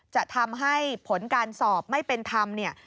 จะทำให้ผลการสอบไม่เป็นธรรมเนี่ย